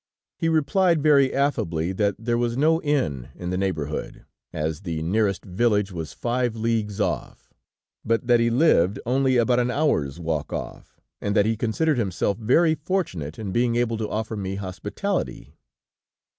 "He replied very affably, that there was no inn in the neighborhood, as the nearest village was five leagues off, but that he lived only about an hour's walk off, and that he considered himself very fortunate in being able to offer me hospitality.